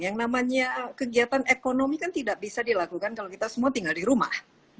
yang namanya kegiatan ekonomi kan tidak bisa dilakukan kalau kita semua tinggal di rumah